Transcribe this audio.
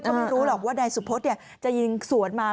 เขาไม่รู้หรอกว่าในสมมติจะยิงสวนมา